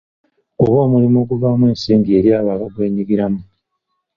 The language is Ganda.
Gube omulimu oguvaamu ensimbi eri abo abagwenyigiramu.